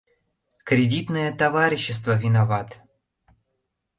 — Кредитное товарищество виноват...